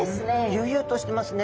悠々としてますね。